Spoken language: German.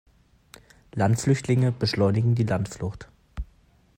Landflüchtlinge beschleunigen die Landflucht.